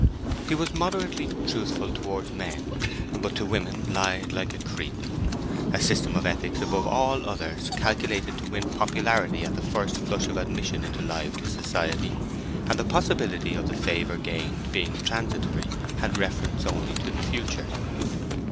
He was moderately truthful towards men, but to women lied like a Cretan—a system of ethics above all others calculated to win popularity at the first flush of admission into lively society; and the possibility of the favour gained being transitory had reference only to the future.